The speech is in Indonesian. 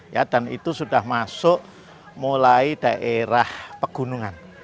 ya dan itu sudah masuk mulai daerah pegunungan